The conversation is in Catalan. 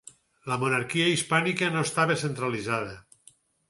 La monarquia hispànica no estava centralitzada.